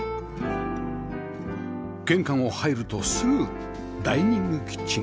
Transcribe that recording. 玄関を入るとすぐダイニングキッチン